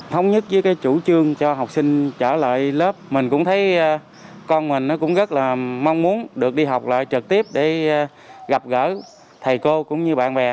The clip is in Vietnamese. thống nhất với chủ trương cho học sinh trở lại lớp mình cũng thấy con mình cũng rất mong muốn được đi học trực tiếp để gặp gỡ thầy cô cũng như bạn bè